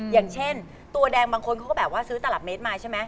อย่างเช่นตัวแดงบางคนเขาก็แบบว่าซื้อตลับเมตรมาใช่ไหม